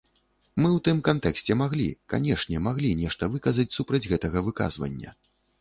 Мы ў тым кантэксце маглі, канешне, маглі нешта выказаць супраць гэтага выказвання.